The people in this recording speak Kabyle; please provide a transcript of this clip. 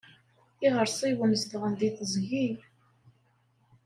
Iɣersiwen zedɣen deg teẓgi.